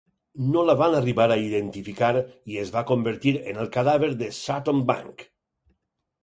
No la van arribar a identificar i es va convertir en el cadàver de Sutton Bank.